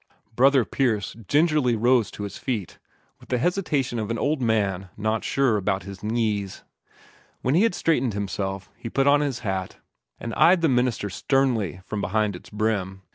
Brother Pierce rose gingerly to his feet, with the hesitation of an old man not sure about his knees. When he had straightened himself, he put on his hat, and eyed the minister sternly from beneath its brim.